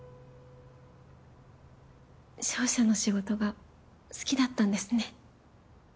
商社の仕事が好きだったんですね。